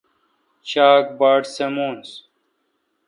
شاک باٹ سمونس